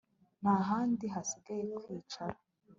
Nta handi hasigaye kwicara